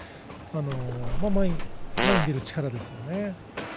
前に出る力ですね